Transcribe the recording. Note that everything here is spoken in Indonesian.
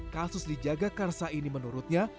kasus dijaga karsa ini menurutnya